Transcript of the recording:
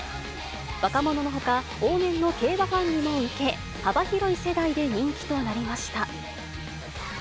若者のほか、往年の競馬ファンにも受け、幅広い世代で人気となりました。